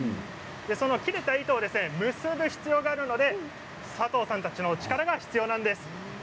切れた糸を結ぶ必要があるので佐藤さんたちの力が必要なんです。